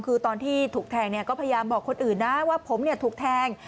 คือตอนที่ถูกแทงก็พยายามบอกคนอื่นนะว่าผมถูกแทง